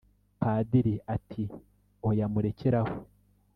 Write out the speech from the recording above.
" padiri ati "oya murekere aho,